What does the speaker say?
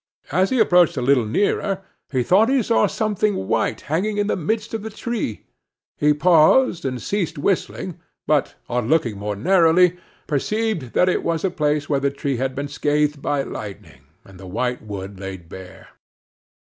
As he approached a little nearer, he thought he saw something white, hanging in the midst of the tree: he paused and ceased whistling but, on looking more narrowly, perceived that it was a place where the tree had been scathed by lightning, and the white wood laid bare.